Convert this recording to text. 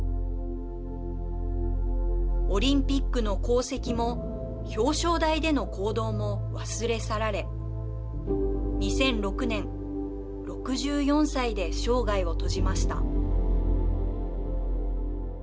オリンピックの功績も表彰台での行動も忘れ去られ２００６年６４歳で生涯を閉じました。